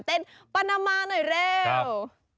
ปานามาหน่อยเร็ว